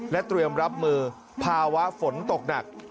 และเตรียมรับมือภาวะฝนตกหนัก